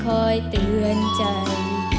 คอยเตือนใจ